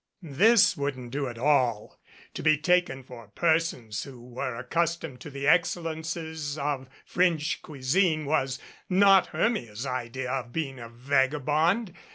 This wouldn't do at all. To be taken for persons who were accustomed to the excellences of French cuisine was not Hermia's idea of being a vagabond.